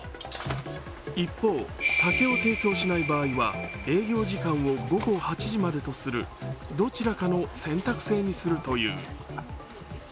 一方、酒を提供しない場合は営業時間を午後８時までとするどちらかの選択制にするという。